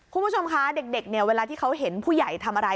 คุณผู้ชมคะเด็กเนี่ยเวลาที่เขาเห็นผู้ใหญ่ทำอะไร